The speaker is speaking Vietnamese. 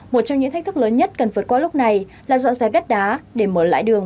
một trong những thách thức lớn nhất cần vượt qua lúc này là dọn dẹp đất đá để mở lại đường